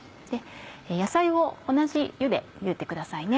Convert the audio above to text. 野菜を同じ湯でゆでてくださいね。